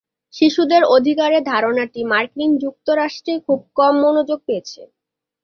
শিশুদের অধিকারের ধারণাটি মার্কিন যুক্তরাষ্ট্রে খুব কম মনোযোগ পেয়েছে।